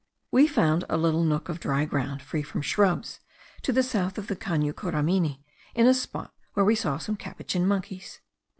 We found a little nook of dry ground, free from shrubs, to the south of the Cano Curamuni, in a spot where we saw some capuchin monkeys.